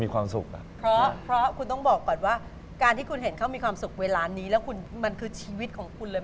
มีความสุขเวลานี้แล้วคุณมันคือชีวิตของคุณเลย